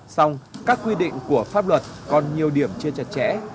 xong các quy định của pháp luật còn nhiều điểm chưa chặt chẽ